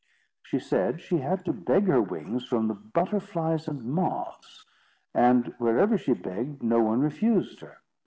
"She said she had to beg her wings from the butterflies and moths; and wherever she begged, no one refused her.